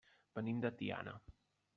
Venim de Tiana.